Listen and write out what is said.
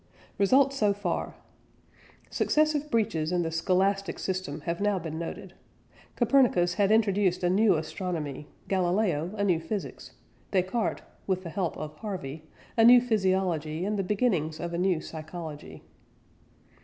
RESULTS SO FAR. Successive breaches in the Scholastic system have now been noted. Copernicus had introduced a new astronomy, Galileo a new physics, Descartes (with the help of Harvey) a new physiology, and the beginnings of a new psychology.